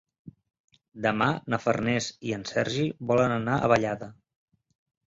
Demà na Farners i en Sergi volen anar a Vallada.